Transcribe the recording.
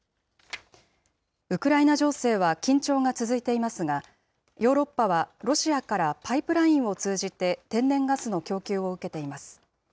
ウクライナ情勢は緊張が続いていますが、ヨーロッパはロシアからパイプラインを通じて天然ガスの供給を受けています。